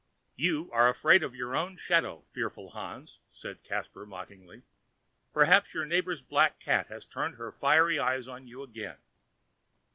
"You are afraid of your own shadow, fearful Hans," said Caspar mockingly; "perhaps your neighbor's black cat has turned her fiery eyes on you again."